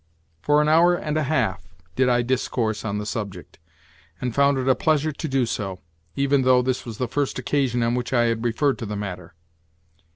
For an hour and a half did I discourse on the subject, and found it a pleasure to do so, even though this was the first occasion on which I had referred to the matter.